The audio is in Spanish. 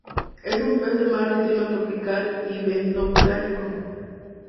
Es un pez de mar de clima tropical y bentopelágico.